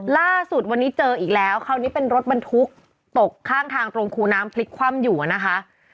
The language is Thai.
ล่าสุดวันนี้เจออีกแล้วคราวนี้เป็นรถบรรทุกตกข้างทางตรงคูน้ำพลิกคว่ำอยู่นะคะ